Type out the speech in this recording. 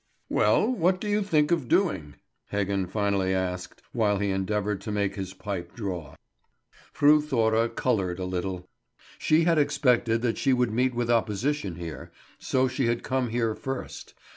"Well, what did you think of doing?" Heggen finally asked, while he endeavoured to make his pipe draw. Fru Thora coloured a little. She had expected that she would meet with opposition here, so she had come here first.